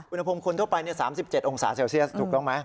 อุณหภูมิคนทั่วไป๓๗องศาเซลเซียสถูกต้องไหม